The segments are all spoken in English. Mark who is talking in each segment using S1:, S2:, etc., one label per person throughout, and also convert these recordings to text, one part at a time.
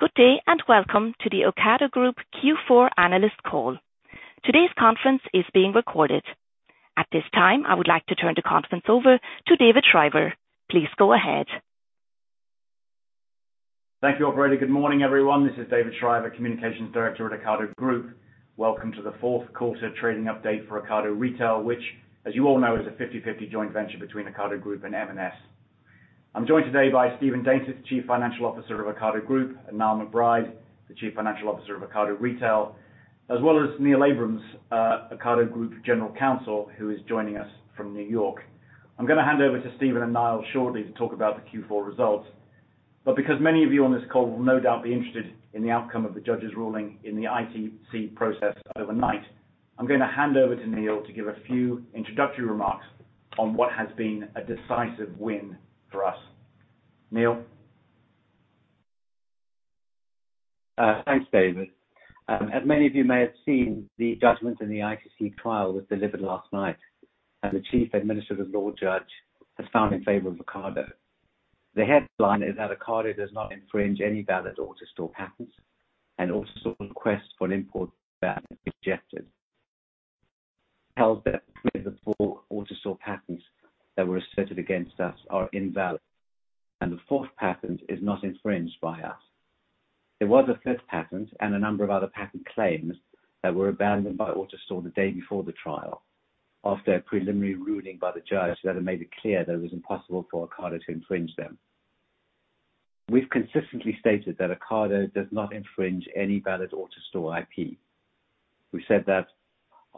S1: Good day, and welcome to the Ocado Group Q4 analyst call. Today's conference is being recorded. At this time, I would like to turn the conference over to David Shriver. Please go ahead.
S2: Thank you, operator. Good morning, everyone. This is David Shriver, Communications Director at Ocado Group. Welcome to the Q4 trading update for Ocado Retail, which, as you all know, is a 50/50 joint venture between Ocado Group and M&S. I'm joined today by Stephen Daintith, Chief Financial Officer of Ocado Group, and Niall McBride, the Chief Financial Officer of Ocado Retail, as well as Neill Abrams, Ocado Group General Counsel, who is joining us from New York. I'm gonna hand over to Stephen and Niall shortly to talk about the Q4 results. Because many of you on this call will no doubt be interested in the outcome of the judge's ruling in the ITC process overnight, I'm gonna hand over to Neill to give a few introductory remarks on what has been a decisive win for us. Neill.
S3: Thanks, David. As many of you may have seen, the judgment in the ITC trial was delivered last night, and the Chief Administrative Law Judge has found in favor of Ocado. The headline is that Ocado does not infringe any valid AutoStore patents, and AutoStore's requests for an import ban rejected. Held that three of the four AutoStore patents that were asserted against us are invalid, and the fourth patent is not infringed by us. There was a fifth patent and a number of other patent claims that were abandoned by AutoStore the day before the trial after a preliminary ruling by the judge that had made it clear that it was impossible for Ocado to infringe them. We've consistently stated that Ocado does not infringe any valid AutoStore IP. We said that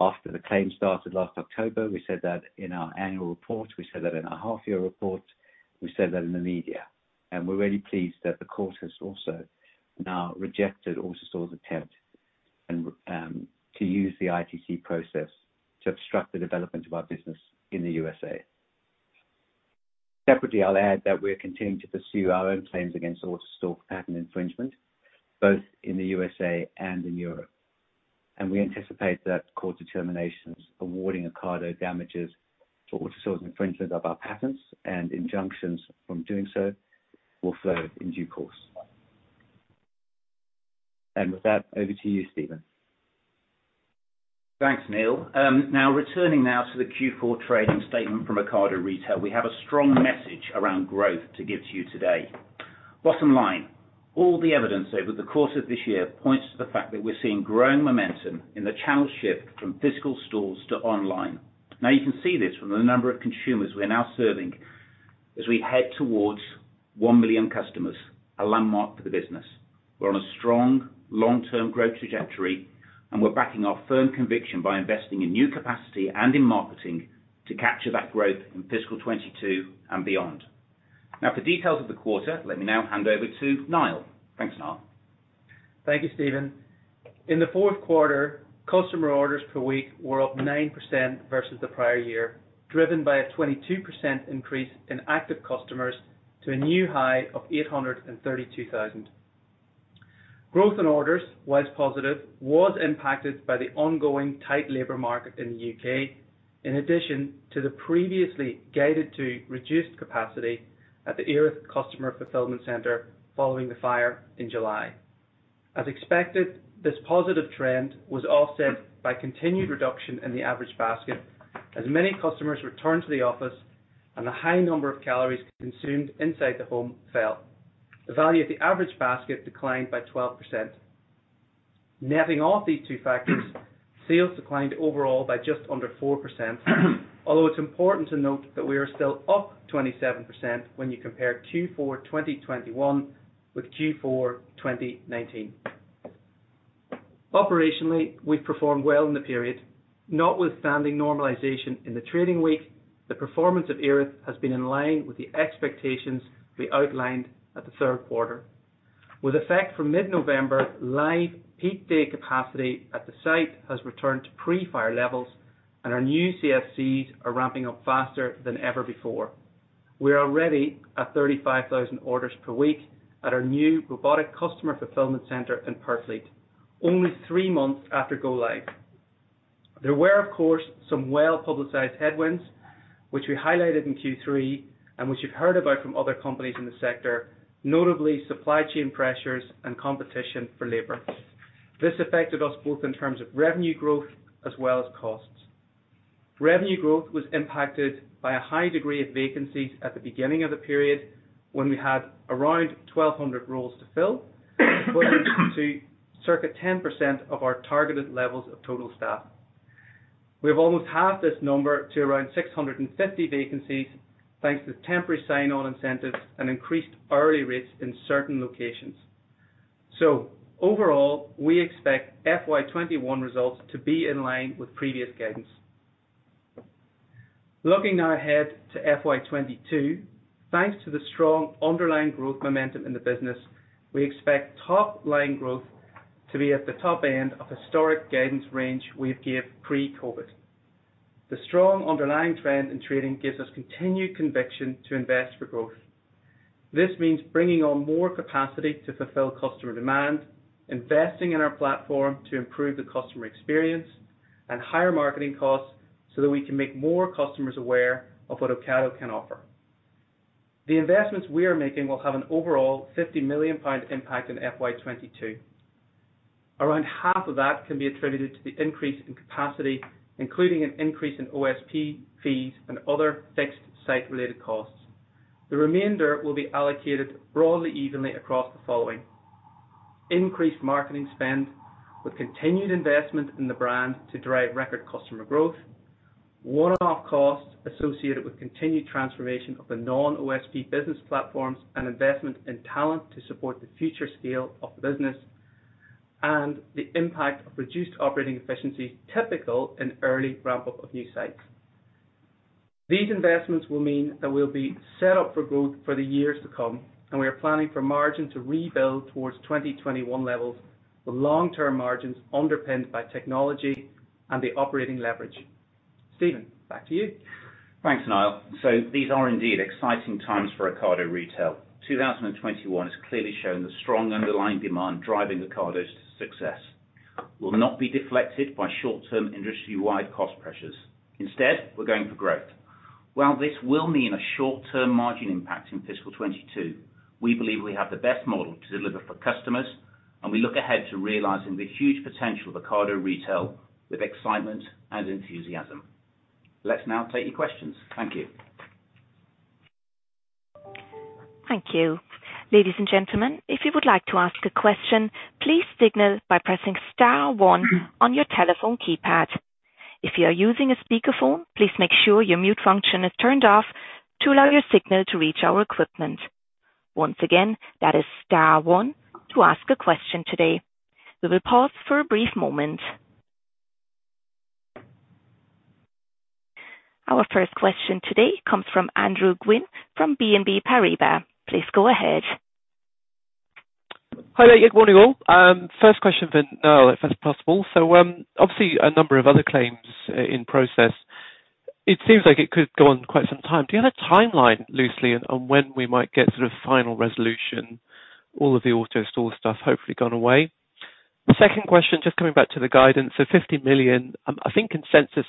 S3: after the claim started last October, we said that in our annual report, we said that in our half year report, we said that in the media, and we're really pleased that the court has also now rejected AutoStore's attempt and to use the ITC process to obstruct the development of our business in the U.S. Separately, I'll add that we're continuing to pursue our own claims against AutoStore patent infringement, both in the USA and in Europe. We anticipate that court determinations awarding Ocado damages for AutoStore's infringement of our patents and injunctions from doing so will flow in due course. With that, over to you, Stephen.
S4: Thanks, Neill. Now returning to the Q4 trading statement from Ocado Retail. We have a strong message around growth to give to you today. Bottom line, all the evidence over the course of this year points to the fact that we're seeing growing momentum in the channel shift from physical stores to online. Now, you can see this from the number of consumers we're now serving as we head towards one million customers, a landmark for the business. We're on a strong long-term growth trajectory, and we're backing our firm conviction by investing in new capacity and in marketing to capture that growth in fiscal 2022 and beyond. Now, for details of the quarter, let me hand over to Niall. Thanks, Niall.
S5: Thank you, Stephen. In the Q4, customer orders per week were up 9% versus the prior year, driven by a 22% increase in active customers to a new high of 832,000. Growth in orders, while positive, was impacted by the ongoing tight labor market in the U.K. in addition to the previously guided-to reduced capacity at the Erith customer fulfillment center following the fire in July. As expected, this positive trend was offset by continued reduction in the average basket as many customers returned to the office and the high number of calories consumed inside the home fell. The value of the average basket declined by 12%. Netting off these two factors, sales declined overall by just under 4%. It's important to note that we are still up 27% when you compare Q4 2021 with Q4 2019. Operationally, we've performed well in the period. Notwithstanding normalization in the trading week, the performance of Erith has been in line with the expectations we outlined at the Q3. With effect from mid-November, live peak day capacity at the site has returned to pre-fire levels, and our new CFCs are ramping up faster than ever before. We're already at 35,000 orders per week at our new robotic customer fulfillment center in Purfleet, only three months after go live. There were, of course, some well-publicized headwinds, which we highlighted in Q3 and which you've heard about from other companies in the sector, notably supply chain pressures and competition for labor. This affected us both in terms of revenue growth as well as costs. Revenue growth was impacted by a high degree of vacancies at the beginning of the period when we had around 1,200 roles to fill, equivalent to circa 10% of our targeted levels of total staff. We have almost halved this number to around 650 vacancies, thanks to temporary sign-on incentives and increased hourly rates in certain locations. Overall, we expect FY 2021 results to be in line with previous guidance. Looking now ahead to FY 2022. Thanks to the strong underlying growth momentum in the business, we expect top line growth to be at the top end of historic guidance range we have given pre-COVID. The strong underlying trend in trading gives us continued conviction to invest for growth. This means bringing on more capacity to fulfill customer demand, investing in our platform to improve the customer experience. Higher marketing costs so that we can make more customers aware of what Ocado can offer. The investments we are making will have an overall 50 million pound impact in FY 2022. Around half of that can be attributed to the increase in capacity, including an increase in OSP fees and other fixed site-related costs. The remainder will be allocated broadly evenly across the following. Increased marketing spend with continued investment in the brand to drive record customer growth. One-off costs associated with continued transformation of the non-OSP business platforms and investment in talent to support the future scale of the business, and the impact of reduced operating efficiencies typical in early ramp-up of new sites. These investments will mean that we'll be set up for growth for the years to come, and we are planning for margin to rebuild towards 2021 levels with long-term margins underpinned by technology and the operating leverage. Stephen, back to you.
S4: Thanks, Niall. These are indeed exciting times for Ocado Retail. 2021 has clearly shown the strong underlying demand driving Ocado's success. We'll not be deflected by short-term industry-wide cost pressures. Instead, we're going for growth. While this will mean a short-term margin impact in fiscal 2022, we believe we have the best model to deliver for customers, and we look ahead to realizing the huge potential of Ocado Retail with excitement and enthusiasm. Let's now take your questions. Thank you.
S1: Thank you. Ladies and gentlemen, if you would like to ask a question, please signal by pressing star one on your telephone keypad. If you are using a speakerphone, please make sure your mute function is turned off to allow your signal to reach our equipment. Once again, that is star one to ask a question today. We will pause for a brief moment. Our first question today comes from Andrew Gwynn from BNP Paribas. Please go ahead.
S6: Hi there. Good morning, all. First question for Niall, if that's possible. Obviously a number of other claims in process, it seems like it could go on quite some time. Do you have a timeline loosely on when we might get sort of final resolution, all of the AutoStore stuff hopefully gone away? The second question, just coming back to the guidance. 50 million, I think consensus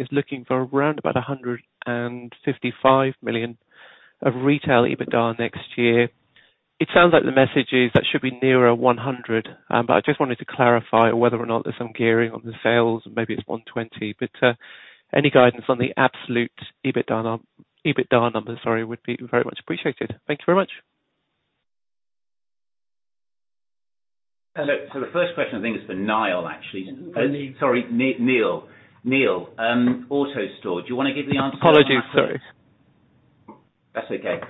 S6: is looking for around about 155 million of retail EBITDA next year. It sounds like the message is that should be nearer 100 million. I just wanted to clarify whether or not there's some gearing on the sales, maybe it's 120 million. Any guidance on the absolute EBITDA numbers, sorry, would be very much appreciated. Thank you very much.
S2: The first question I think is for Niall actually.
S3: For me.
S2: Sorry, Neill. Neill, AutoStore. Do you wanna give the answer to that?
S6: Apologies, sorry.
S2: That's okay.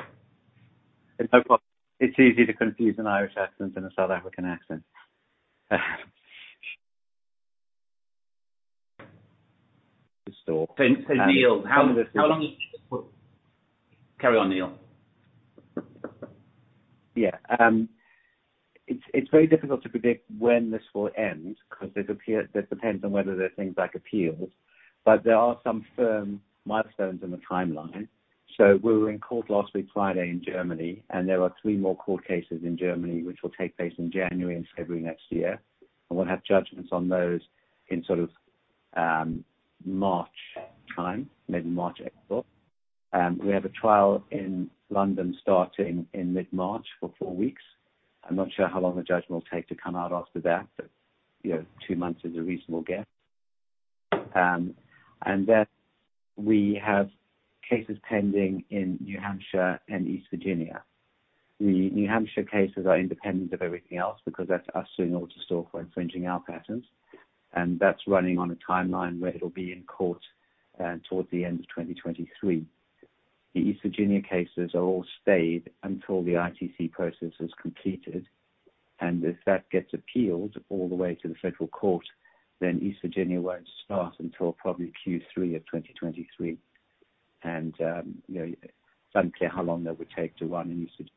S4: No problem. It's easy to confuse an Irish accent and a South African accent. AutoStore,
S2: Neill, how long have you. Carry on, Neill.
S3: It's very difficult to predict when this will end, 'cause it depends on whether there are things like appeals. There are some firm milestones in the timeline. We were in court last week, Friday in Germany, and there are three more court cases in Germany, which will take place in January and February next year. We'll have judgments on those in sort of March time, maybe March, April. We have a trial in London starting in mid-March for four weeks. I'm not sure how long the judgment will take to come out after that, but you know, two months is a reasonable guess. We have cases pending in New Hampshire and Eastern District of Virginia. The New Hampshire cases are independent of everything else because that's us suing AutoStore for infringing our patents, and that's running on a timeline where it'll be in court towards the end of 2023. The Eastern District of Virginia cases are all stayed until the ITC process is completed, and if that gets appealed all the way to the federal court, then East Virginia won't start until probably Q3 of 2023. You know, it's unclear how long that would take to run in Eastern District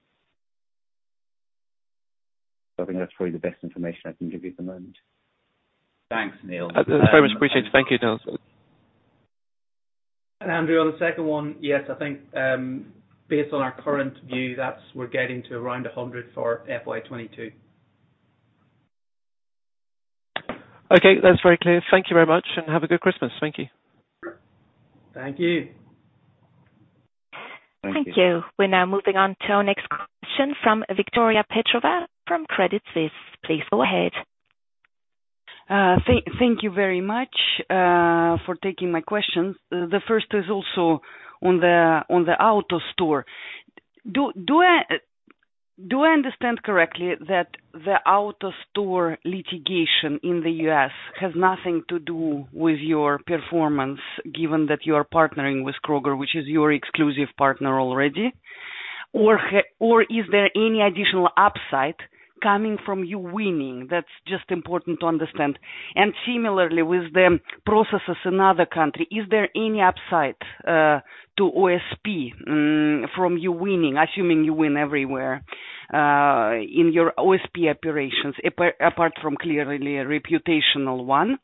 S3: of Virginia. I think that's probably the best information I can give you at the moment.
S2: Thanks, Neill.
S6: Very much appreciated. Thank you, Neill.
S4: Andrew, on the second one, yes, I think, based on our current view, that's, we're getting to around 100 for FY 2022.
S6: Okay, that's very clear. Thank you very much, and have a good Christmas. Thank you.
S4: Thank you.
S1: Thank you. We're now moving on to our next question from Victoria Petrova from Credit Suisse. Please go ahead.
S7: Thank you very much for taking my questions. The first is also on the AutoStore. Do I understand correctly that the AutoStore litigation in the U.S. has nothing to do with your performance, given that you are partnering with Kroger, which is your exclusive partner already? Or is there any additional upside coming from you winning? That's just important to understand. Similarly, with the processes in other country, is there any upside to OSP from you winning, assuming you win everywhere, in your OSP operations, apart from clearly a reputational one?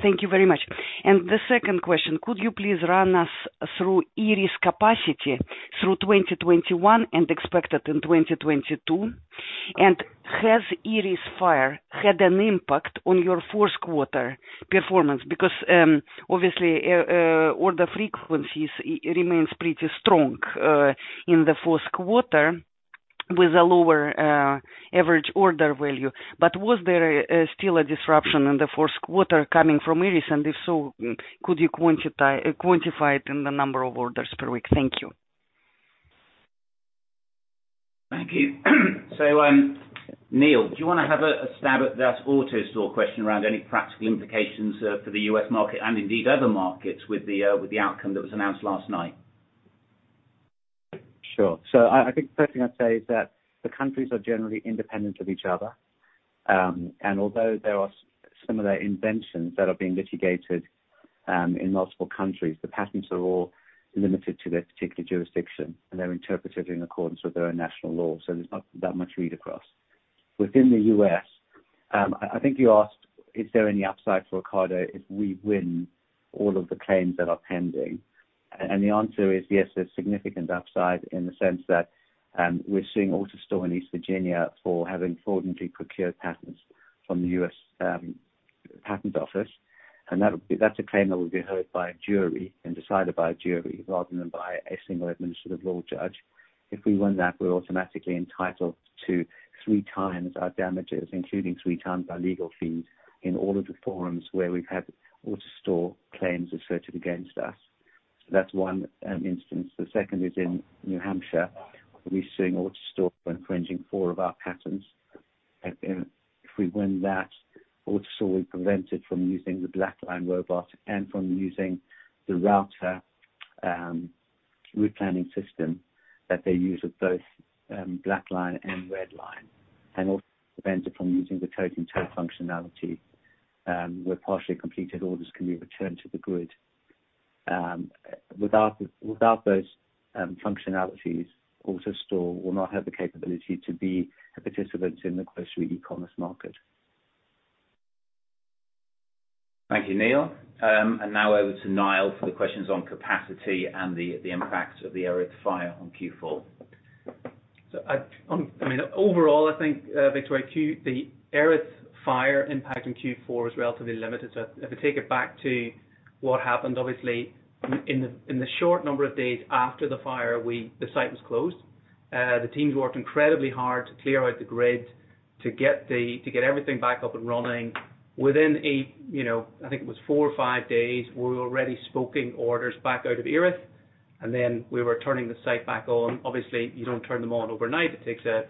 S7: Thank you very much. The second question, could you please run us through Erith capacity through 2021 and expected in 2022? Has Erith fire had an impact on your Q4 performance? Because obviously order frequencies remains pretty strong in the Q4 with a lower average order value. Was there still a disruption in the Q4 coming from Erith? If so, could you quantify it in the number of orders per week? Thank you.
S2: Thank you. Neill, do you wanna have a stab at that AutoStore question around any practical implications for the U.S. market and indeed other markets with the outcome that was announced last night?
S3: Sure. I think the first thing I'd say is that the countries are generally independent of each other. Although there are similar inventions that are being litigated in multiple countries, the patents are all limited to their particular jurisdiction, and they're interpreted in accordance with their own national law, so there's not that much read across. Within the U.S., I think you asked, is there any upside for Ocado if we win all of the claims that are pending, and the answer is yes, there's significant upside in the sense that, we're suing AutoStore in Eastern District of Virginia for having fraudulently procured patents from the U.S. Patent Office. That's a claim that would be heard by a jury and decided by a jury rather than by a single administrative law judge. If we win that, we're automatically entitled to three times our damages, including three times our legal fees in all of the forums where we've had AutoStore claims asserted against us. That's one instance. The second is in New Hampshire. We're seeing AutoStore infringing four of our patents. If we win that, AutoStore is prevented from using the Black Line robot and from using the router route planning system that they use with both Black Line and Red Line. It also prevents it from using the tote-on-tote functionality where partially completed orders can be returned to the grid. Without those functionalities, AutoStore will not have the capability to be a participant in the grocery e-commerce market.
S2: Thank you, Neill. Now over to Niall for the questions on capacity and the impact of the Erith fire on Q4.
S5: I mean, overall, I think, Victoria, the Erith fire impact in Q4 is relatively limited. If we take it back to what happened, obviously, in the short number of days after the fire, the site was closed. The teams worked incredibly hard to clear out the grid to get everything back up and running. Within a, you know, I think it was four or five days, we were already shipping orders back out of Erith, and then we were turning the site back on. Obviously, you don't turn them on overnight. It takes a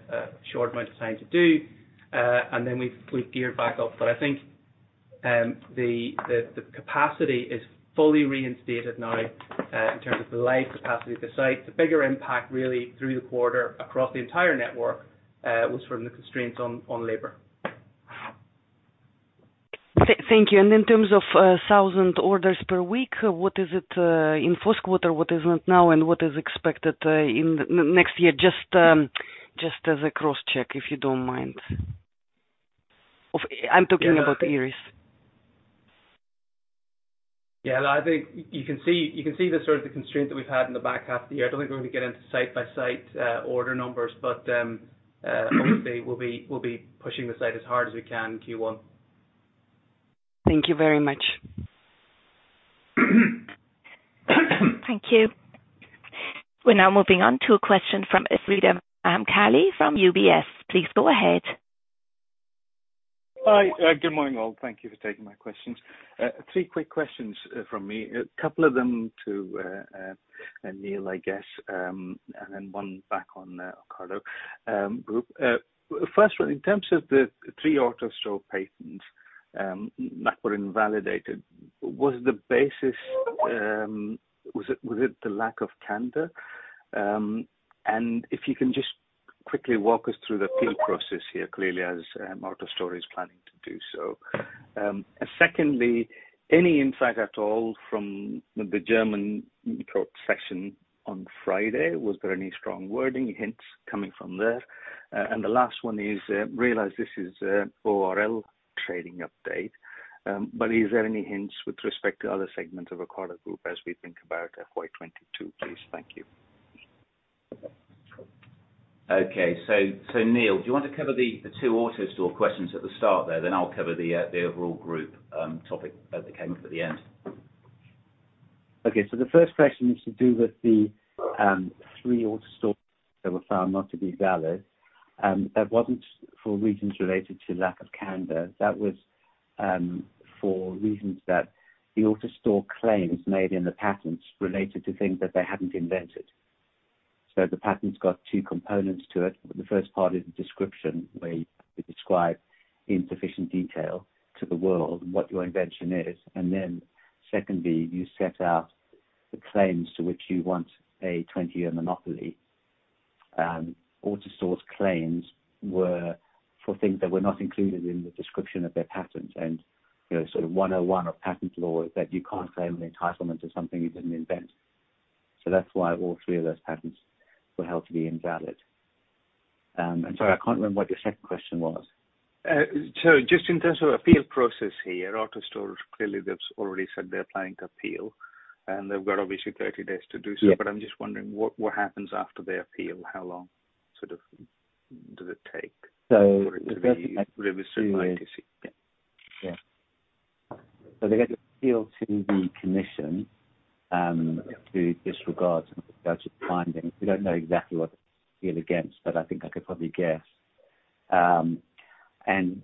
S5: short amount of time to do, and then we geared back up. I think, the capacity is fully reinstated now, in terms of the live capacity of the site. The bigger impact really through the quarter across the entire network was from the constraints on labor.
S7: Thank you. In terms of thousand orders per week, what is it in Q1, what is it now, and what is expected in next year? Just as a cross-check, if you don't mind. I'm talking about Erith.
S5: Yeah, I think you can see the sort of the constraint that we've had in the back half of the year. I don't think we're going to get into site-by-site order numbers, but obviously we'll be pushing the site as hard as we can in Q1.
S7: Thank you very much.
S1: Thank you. We're now moving on to a question from Sreedhar Mahamkali from UBS. Please go ahead.
S8: Hi. Good morning, all. Thank you for taking my questions. Three quick questions from me, a couple of them to Neill, I guess, and then one back on Ocado Group. First one, in terms of the three AutoStore patents that were invalidated, was it the lack of candor? And if you can just quickly walk us through the thinking process here, clearly as AutoStore is planning to do so. Secondly, any insight at all from the German court session on Friday? Was there any strong wording hints coming from there? And the last one is, I realize this is ORL trading update, but is there any hints with respect to other segments of Ocado Group as we think about FY 2022, please? Thank you.
S2: Okay. Neill, do you want to cover the two AutoStore questions at the start there? I'll cover the overall group topic that came up at the end.
S3: Okay. The first question is to do with the three AutoStore that were found not to be valid. That wasn't for reasons related to lack of candor. That was for reasons that the AutoStore claims made in the patents related to things that they hadn't invented. The patent's got two components to it. The first part is the description, where you describe in sufficient detail to the world what your invention is. Then secondly, you set out the claims to which you want a 20-year monopoly. AutoStore's claims were for things that were not included in the description of their patent. You know, sort of 101 of patent law is that you can't claim an entitlement to something you didn't invent. That's why all three of those patents were held to be invalid. Sorry, I can't remember what your second question was.
S8: Just in terms of appeal process here, AutoStore, clearly they've already said they're planning to appeal, and they've got obviously 30 days to do so.
S3: Yeah.
S8: I'm just wondering what happens after they appeal? How long sort of does it take?
S3: So-
S8: for it to be reviewed by ITC?
S3: Yeah. They get to appeal to the commission to disregard some of the judge's findings. We don't know exactly what to appeal against, but I think I could probably guess.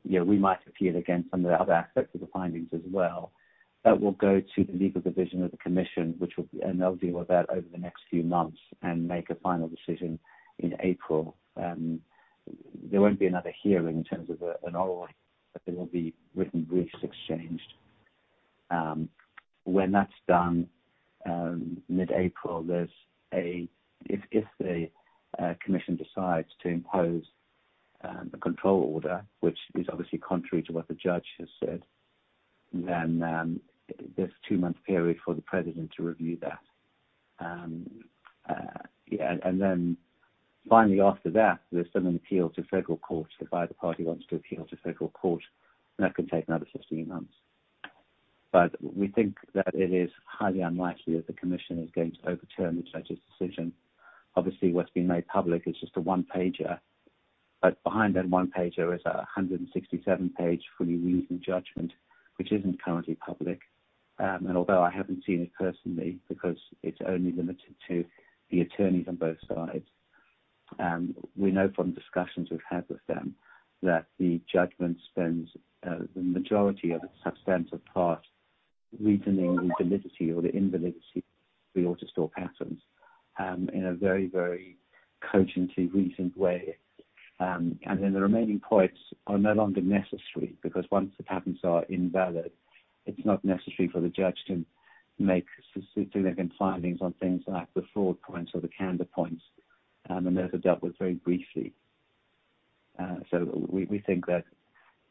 S3: You know, we might appeal against some of the other aspects of the findings as well. That will go to the legal division of the commission, and they'll deal with that over the next few months and make a final decision in April. There won't be another hearing in terms of an oral hearing, but there will be written briefs exchanged. When that's done, mid-April, if the commission decides to impose a control order, which is obviously contrary to what the judge has said, then there's a two-month period for the president to review that. Finally after that, there is an appeal to federal court, if either party wants to appeal to federal court, and that can take another 16 months. We think that it is highly unlikely that the commission is going to overturn the judge's decision. Obviously, what has been made public is just a one-pager, but behind that one-pager is a 167-page fully reasoned judgment, which is not currently public. Although I have not seen it personally, because it is only limited to the attorneys on both sides, we know from discussions we have had with them that the judgment spends the majority of its substantive part reasoning the validity or the invalidity of the AutoStore patents, in a very, very cogently reasoned way. The remaining points are no longer necessary because once the patents are invalid, it's not necessary for the judge to make significant findings on things like the fraud points or the candor points, and those are dealt with very briefly. We think that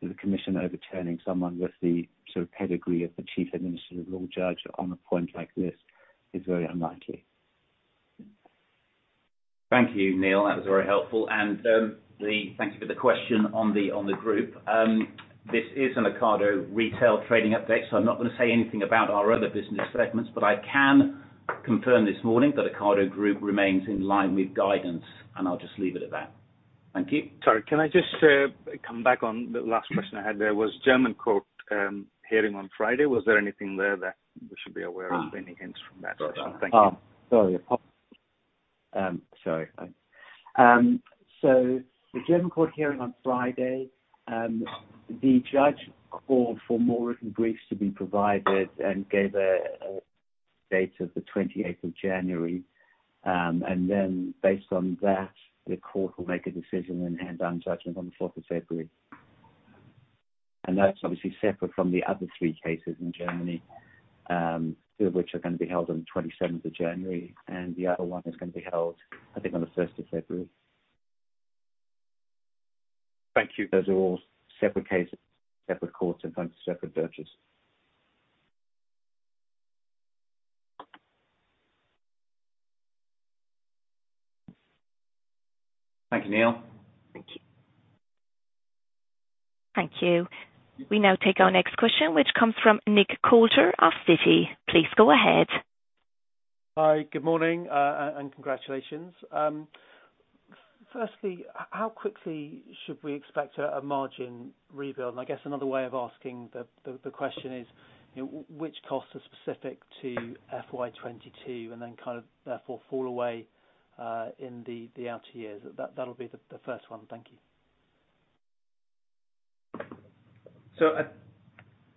S3: the commission overturning someone with the sort of pedigree of the Chief Administrative Law Judge on a point like this is very unlikely.
S5: Thank you, Neill. That was very helpful. Thank you for the question on the group. This is an Ocado Retail trading update, so I'm not gonna say anything about our other business segments, but I can confirm this morning that Ocado Group remains in line with guidance, and I'll just leave it at that. Thank you.
S8: Sorry, can I just come back on the last question I had there? Was German court hearing on Friday, was there anything there that we should be aware of, any hints from that session? Thank you.
S3: The German court hearing on Friday, the judge called for more written briefs to be provided and gave a date of the 28th of January. Then based on that, the court will make a decision and hand down judgment on the 4th of February. That's obviously separate from the other three cases in Germany, two of which are gonna be held on the 27th of January, and the other one is gonna be held, I think, on the 1st of February.
S8: Thank you.
S3: Those are all separate cases, separate courts, in front of separate judges.
S5: Thank you, Neill.
S3: Thank you.
S1: Thank you. We now take our next question, which comes from Nick Coulter of Citi. Please go ahead.
S9: Hi. Good morning, and congratulations. Firstly, how quickly should we expect a margin rebuild? I guess another way of asking the question is, you know, which costs are specific to FY 2022 and then kind of therefore fall away in the outer years? That'll be the first one. Thank you.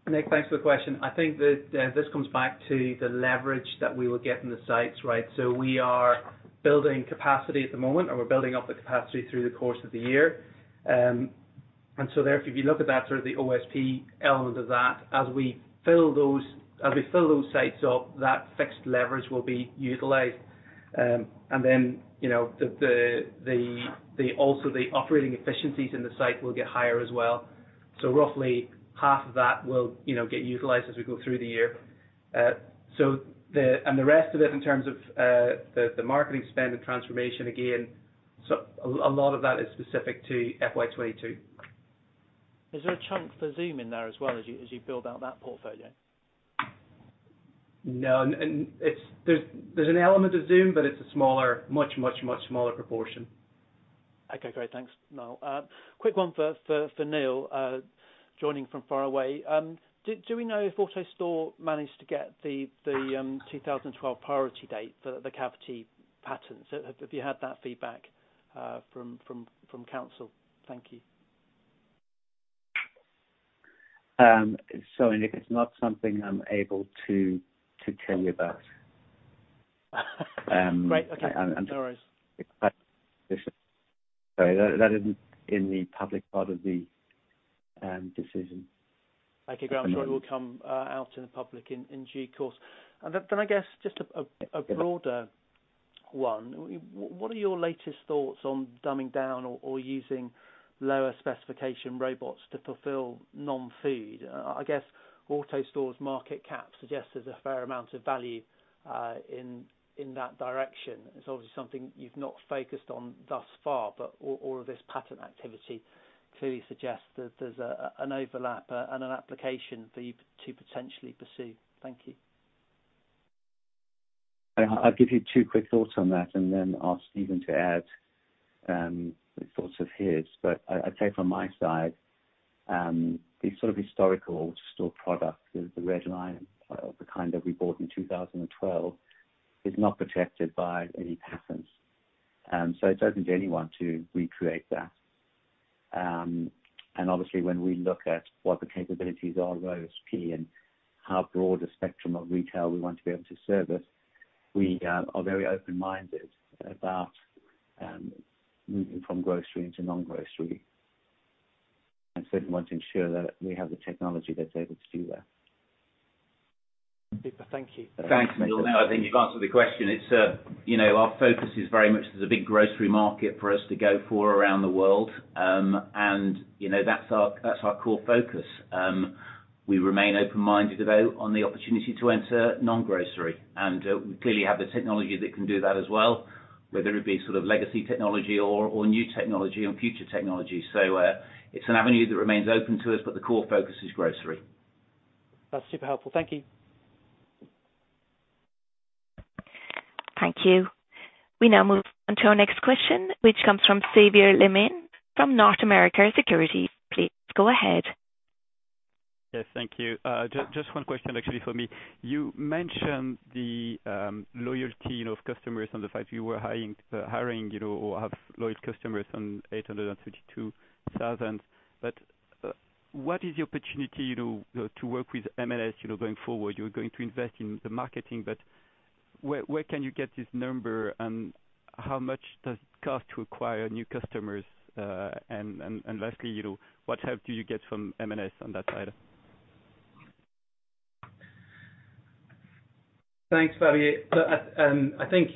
S5: Nick, thanks for the question. I think that this comes back to the leverage that we will get in the sites, right? We are building capacity at the moment, and we're building up the capacity through the course of the year. There, if you look at that sort of the OSP element of that, as we fill those sites up, that fixed leverage will be utilized. Then, you know, also the operating efficiencies in the site will get higher as well. Roughly half of that will, you know, get utilized as we go through the year. And the rest of it in terms of the marketing spend and transformation again, so a lot of that is specific to FY 2022.
S9: Is there a chunk for Zoom in there as well as you build out that portfolio?
S5: No. There's an element of Zoom, but it's a smaller, much smaller proportion.
S9: Okay, great. Thanks, Niall. Quick one for Neill, joining from far away. Do we know if AutoStore managed to get the 2012 priority date for the cavity patents? Have you had that feedback from counsel? Thank you.
S3: Sorry, Nick, it's not something I'm able to tell you about.
S9: Great. Okay.
S3: Um.
S9: No worries.
S3: Sorry, that isn't in the public part of the decision.
S9: Okay, great.
S3: Um.
S9: I'm sure it will come out in the public in due course. I guess just a broader one. What are your latest thoughts on dumbing down or using lower specification robots to fulfill non-food? I guess AutoStore's market cap suggests there's a fair amount of value in that direction. It's obviously something you've not focused on thus far, but all of this patent activity Clearly suggests that there's an overlap and an application for you to potentially pursue. Thank you.
S3: I'll give you two quick thoughts on that and then ask Stephen to add the thoughts of his. I'd say from my side, the sort of historical store product, the Red Line of the kind that we bought in 2012, is not protected by any patents. It's open to anyone to recreate that. Obviously when we look at what the capabilities are of OSP and how broad a spectrum of retail we want to be able to service, we are very open-minded about moving from grocery into non-grocery. I certainly want to ensure that we have the technology that's able to do that.
S9: Super. Thank you.
S2: Thanks, Neill. No, I think you've answered the question. It's, you know, our focus is very much there's a big grocery market for us to go for around the world. You know, that's our core focus. We remain open-minded about on the opportunity to enter non-grocery, and we clearly have the technology that can do that as well, whether it be sort of legacy technology or new technology and future technology. It's an avenue that remains open to us, but the core focus is grocery.
S9: That's super helpful. Thank you.
S1: Thank you. We now move on to our next question, which comes from Xavier Le Mené from North America Securities. Please go ahead.
S10: Yes, thank you. Just one question actually for me. You mentioned the loyalty of customers and the fact you were hiring, you know, or have loyal customers on 832,000. What is the opportunity, you know, to work with M&S, you know, going forward? You're going to invest in the marketing, but where can you get this number and how much does it cost to acquire new customers? And lastly, you know, what help do you get from M&S on that side?
S5: Thanks, Xavier. Look, I think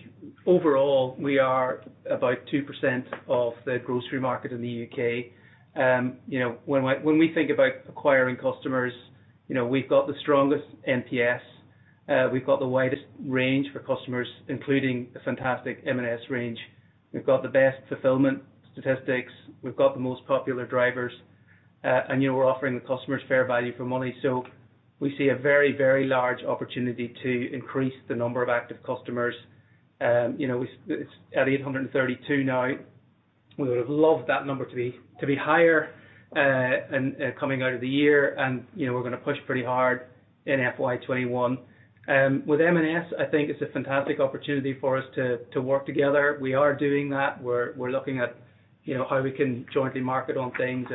S5: overall we are about 2% of the grocery market in the U.K. You know, when we think about acquiring customers, you know, we've got the strongest NPS. We've got the widest range for customers, including the fantastic M&S range. We've got the best fulfillment statistics. We've got the most popular drivers. And you know, we're offering the customers fair value for money. So we see a very, very large opportunity to increase the number of active customers. You know, at 832 now, we would have loved that number to be higher, and coming out of the year, you know, we're gonna push pretty hard in FY 2021. With M&S, I think it's a fantastic opportunity for us to work together. We are doing that. We're looking at, you know, how we can jointly market on things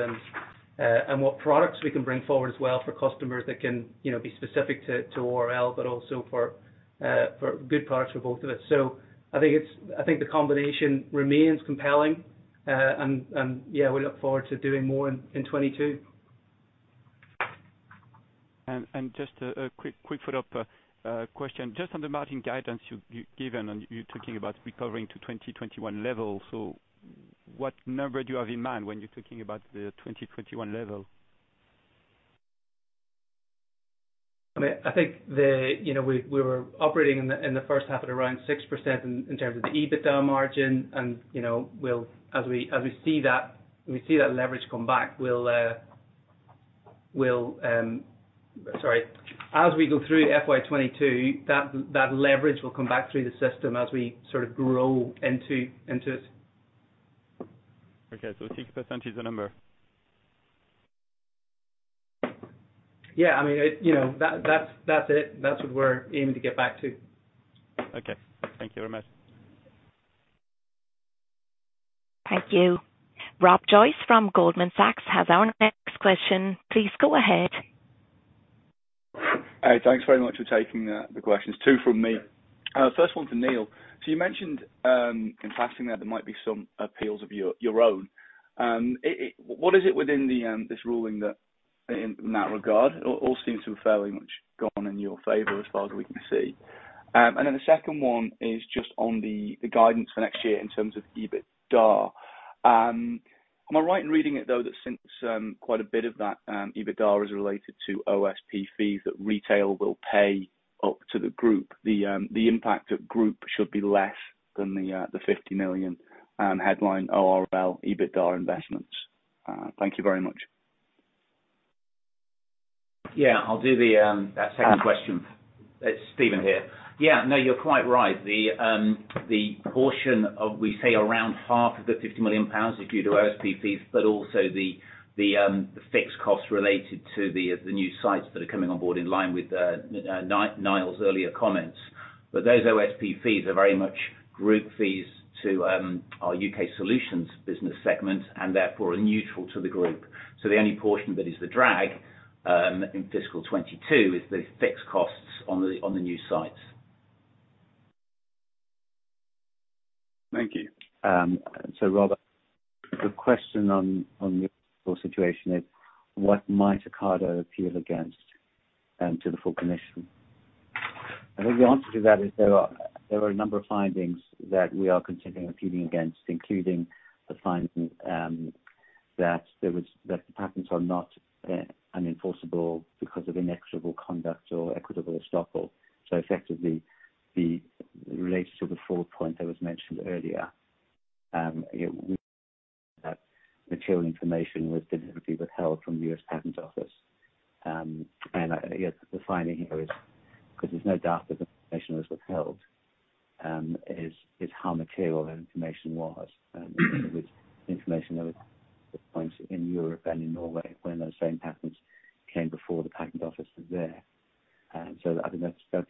S5: and what products we can bring forward as well for customers that can, you know, be specific to ORL, but also for good products for both of us. I think the combination remains compelling. Yeah, we look forward to doing more in 2022.
S10: Just a quick follow-up question. Just on the margin guidance you've given and you're talking about recovering to 2021 levels. What number do you have in mind when you're talking about the 2021 level?
S5: I mean, I think, you know, we were operating in the H1 at around 6% in terms of the EBITDA margin, and as we go through FY 2022, that leverage will come back through the system as we sort of grow into it.
S10: Okay. 6% is the number?
S5: Yeah, I mean, it, you know, that's it. That's what we're aiming to get back to.
S10: Okay. Thank you very much.
S1: Thank you. Rob Joyce from Goldman Sachs has our next question. Please go ahead.
S11: Hey, thanks very much for taking the questions. Two from me. First one to Neill. You mentioned in passing that there might be some appeals of your own. What is it within this ruling that in that regard all seems to have fairly much gone in your favor as far as we can see. The second one is just on the guidance for next year in terms of EBITDA. Am I right in reading it though that since quite a bit of that EBITDA is related to OSP fees that retail will pay up to the group, the impact at group should be less than the 50 million headline ORL EBITDA investments? Thank you very much.
S4: Yeah, I'll do the second question. It's Stephen here. Yeah, no, you're quite right. The portion of, we say around half of the 50 million pounds is due to OSP fees, but also the fixed costs related to the new sites that are coming on board in line with Niall's earlier comments. But those OSP fees are very much group fees to our UK Solutions business segment and therefore are neutral to the group. The only portion that is the drag in fiscal 2022 is the fixed costs on the new sites.
S11: Thank you.
S3: Rob, the question on your situation is what might Ocado appeal against to the full commission? I think the answer to that is there are a number of findings that we are considering appealing against, including the finding that the patents are not unenforceable because of inequitable conduct or equitable estoppel. Effectively, this relates to the fourth point that was mentioned earlier, that material information was deliberately withheld from the U.S. Patent Office. Yes, the finding here is, because there's no doubt that the information was withheld, how material that information was. It was information that was patents in Europe and in Norway when those same patents came before the patent office there. I think that's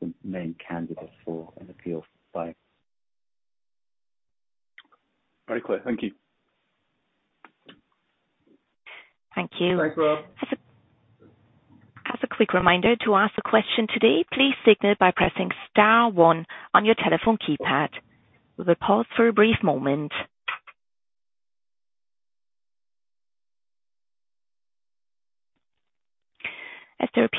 S3: the main candidate for an appeal by.
S11: Very clear. Thank you.
S1: Thank you.
S2: Thanks, Rob.
S1: As a quick reminder, to ask a question today, please signal by pressing star one on your telephone keypad. We will pause for a brief moment.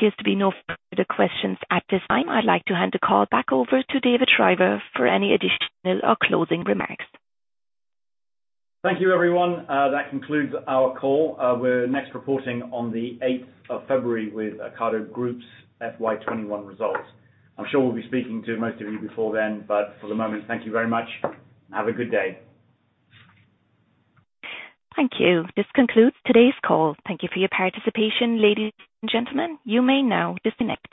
S1: As there appears to be no further questions at this time, I'd like to hand the call back over to David Shriver for any additional or closing remarks.
S2: Thank you, everyone. That concludes our call. We're next reporting on the 8th of February with Ocado Group's FY 2021 results. I'm sure we'll be speaking to most of you before then, but for the moment, thank you very much and have a good day.
S1: Thank you. This concludes today's call. Thank you for your participation. Ladies and gentlemen, you may now disconnect.